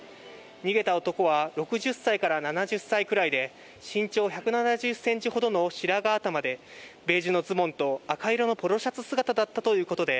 逃げた男は６０歳から７０歳くらいで、身長１７０センチほどの白髪頭で、ベージュのズボンと赤色のポロシャツ姿だったということで、